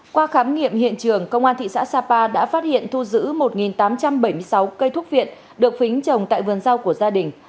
qua khám nghiệm hiện trường công an thị xã sapa đã phát hiện thu giữ một tám trăm bảy mươi sáu cây thuốc viện được phính trồng tại vườn rau của gia đình